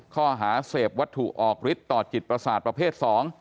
ข้อหาเสพวัตถุออกฤทธิต่อจิตประสาทประเภท๒